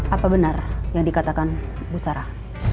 apa benar yang dikatakan bu sarah